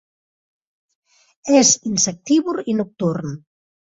És insectívor i nocturn.